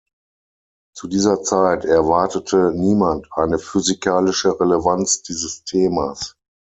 Zu dieser Zeit erwartete niemand eine physikalische Relevanz dieses Themas.